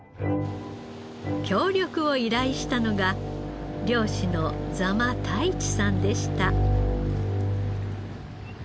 協力を依頼したのが漁師の座間太一さんでした。